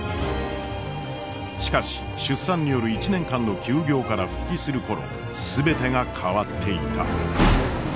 しかし出産による１年間の休業から復帰する頃全てが変わっていた。